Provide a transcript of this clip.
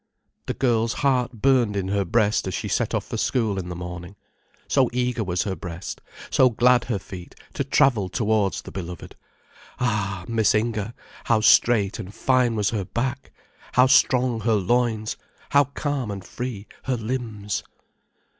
The girl's heart burned in her breast as she set off for school in the morning. So eager was her breast, so glad her feet, to travel towards the beloved. Ah, Miss Inger, how straight and fine was her back, how strong her loins, how calm and free her limbs!